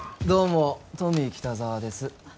どうもトミー北沢です。